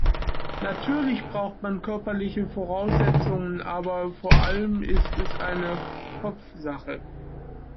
Natürlich braucht man körperliche Voraussetzungen, aber vor allem ist es eine Kopfsache.